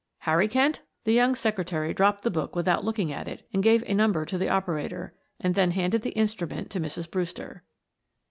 "Harry Kent?" The young secretary dropped the book without looking at it, and gave a number to the operator, and then handed the instrument to Mrs. Brewster.